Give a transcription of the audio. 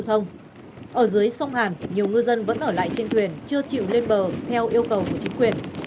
ở dưới sông hàn nhiều ngư dân vẫn ở lại trên thuyền chưa chịu lên bờ theo yêu cầu của chính quyền